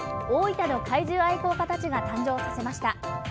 大分の怪獣愛好家たちが誕生させました。